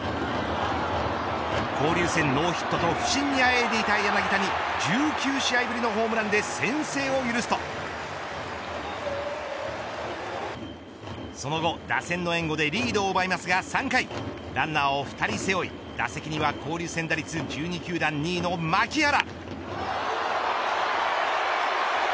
交流戦ノーヒットと不振にあえいでいた柳田に１９試合ぶりのホームランで先制を許すとその後、打線の援護でリードを奪いますが３回ランナーを２人背負い打席には交流戦打率１２球団２位の牧原。